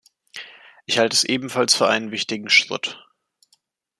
Ich halte es ebenfalls für einen wichtigen Schritt.